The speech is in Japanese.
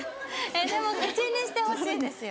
でも口にしてほしいんですよ。